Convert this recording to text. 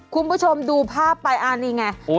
คุณผู้ชมดูภาพไปอันนี้ไง